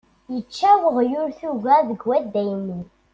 Yečča weɣyul tuga deg udaynin.